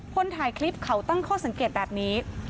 คนถ่ายคลิปเขาตั้งข้อสังเกตแบบนี้